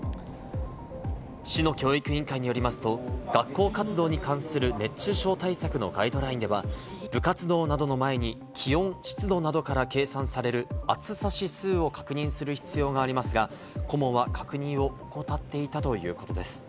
市の教育委員会によりますと、学校活動に関する熱中症対策のガイドラインでは、部活動などの前に、気温、湿度などから計算される暑さ指数を確認する必要がありますが、顧問は確認を怠っていたということです。